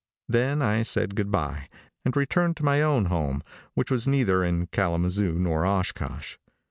Then I said good by, and returned to my own home, which was neither in Kalamazoo nor Oshkosh.